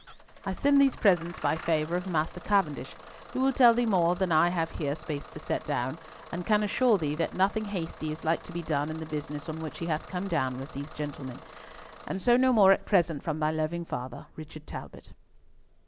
"I send these presents by favour of Master Cavendish, who will tell thee more than I have here space to set down, and can assure thee that nothing hasty is like to be done in the business on which he hath come down with these gentlemen. And so no more at present from thy loving father, "Richard Talbot."